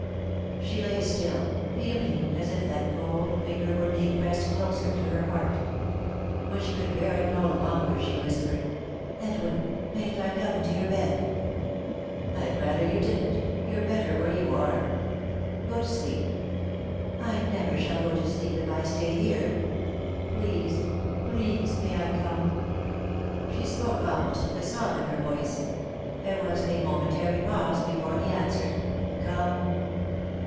She lay still, feeling as if that cold finger were being pressed closer to her heart When she could bear it no longer she whispered :" Edwin, mayn't I come into your bed ?" 3i 9 iii^d by Google THE INTERRUPTED KISS " I'd rather you didn't, you're better where you are. Go to sleep." " I never shall go to sleep if I stay here. Please please may I come ?" She spoke almost with a sob in her voice. There was a momentary pause before he answered. " Come."